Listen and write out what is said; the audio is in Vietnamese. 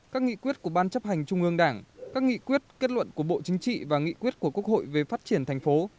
các nghị quyết của ban chấp hành trung ương đảng các nghị quyết kết luận của bộ chính trị và nghị quyết của quốc hội về phát triển thành phố